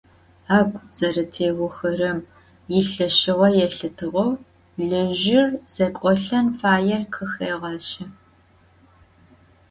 Ӏэгу зэрэтеохэрэм илъэшыгъэ елъытыгъэу лэжъыр зэкӏолӏэн фаер къыхегъэщы.